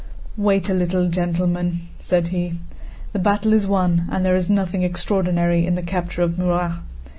"Wait a little, gentlemen," said he. "The battle is won, and there is nothing extraordinary in the capture of Murat.